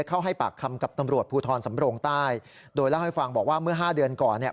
เข้าให้ปากคำกับตำรวจภูทรสำโรงใต้โดยเล่าให้ฟังบอกว่าเมื่อห้าเดือนก่อนเนี่ย